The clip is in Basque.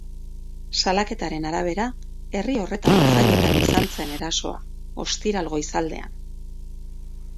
Salaketaren arabera, herri horretako jaietan izan zen erasoa, ostiral goizaldean.